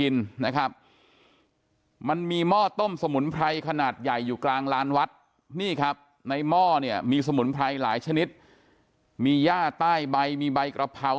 นี่ครับในหม้อเนี่ยมีสมุนไพรหลายชนิดมีย่าใต้ใบมีใบกระเพรา